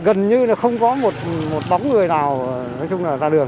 gần như không có một bóng người nào ra đường